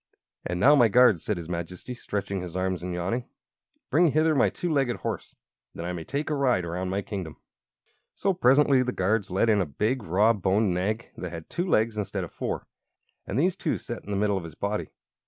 "And now, my guards," said his Majesty, stretching his arms and yawning, "bring hither my two legged horse, that I may take a ride around my kingdom." [Illustration: "NOW, YOU SIT STILL AND BEHAVE YOURSELF"] So presently the guards led in a big, raw boned nag that had two legs instead of four, and these two set in the middle of its body.